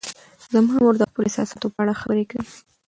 زما مور د خپلو احساساتو په اړه خبرې کوي.